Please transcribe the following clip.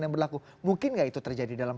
yang berlaku mungkin nggak itu terjadi dalam